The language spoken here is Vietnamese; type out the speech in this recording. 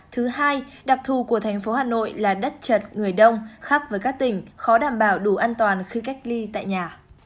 thứ hai đặc thù của thành phố hà nội là đất chật người đông khác với các tỉnh khó đảm bảo đủ an toàn khi cách ly tại nhà